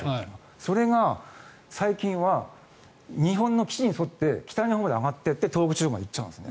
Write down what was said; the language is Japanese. それが最近は日本の岸に沿って北のほうに上がっていって東北地方まで行っちゃうんです。